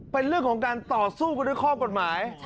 เป็นเรื่องของการต่อสู้ไปด้วยข้อกฎหมาย